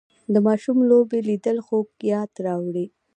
د ماشوم لوبې لیدل خوږ یاد راوړي